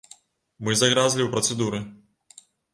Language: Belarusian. Мы загразлі ў працэдуры.